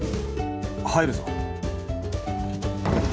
入るぞ。